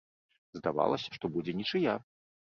Здавалася, што будзе нічыя.